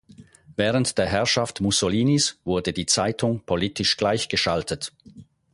Während der Herrschaft Mussolinis wurde die Zeitung politisch gleichgeschaltet.